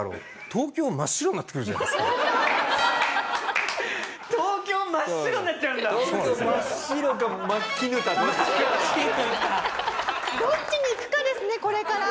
東京真っ白かどっちにいくかですねこれから。